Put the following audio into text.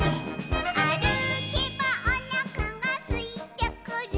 「あるけばおなかがすいてくる」